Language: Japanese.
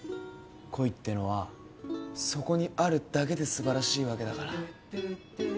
恋ってのはそこにあるだけで素晴らしいわけだから。